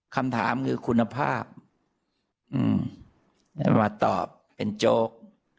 คำถามคือคุณภาพมาตอบเป็นโจ๊ก